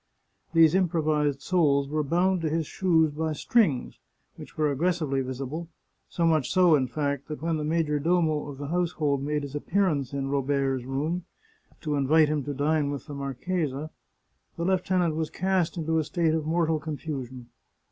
These improvised soles were bound to his shoes by strings, which were aggressively visible — so much so, in fact, that when the major domo of the household made his appearance in Robert's room, to invite him to dine with the marchesa, the lieutenant was cast into a state of mortal confusion.